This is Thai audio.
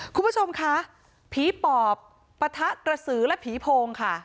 คุณผู้ชมคะผีปอบปะทะกระสือและผีโพงค่ะ